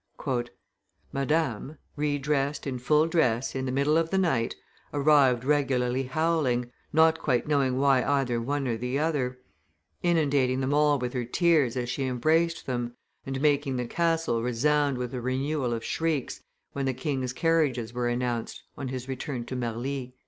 "Madame, re dressed in full dress, in the middle of the night, arrived regularly howling, not quite knowing why either one or the other; inundating them all with her tears as she embraced them, and making the castle resound with a renewal of shrieks, when the king's carriages were announced, on his return to Marly."